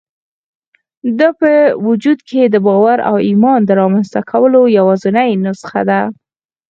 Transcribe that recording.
دا په وجود کې د باور او ايمان د رامنځته کولو يوازېنۍ نسخه ده.